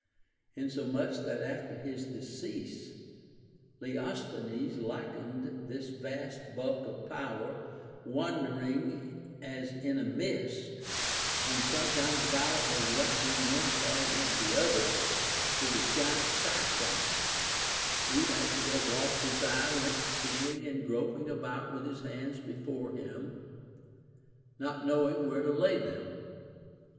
Inso much that after his decease Leosthenes likened this vast bulk of power — wandering as in a mist, and sometimes violently rushing one part against the other — to the giant Cyclops, who after he had lost his eye went feeling and groping about Avith his hands before him, not knowing where to lay them.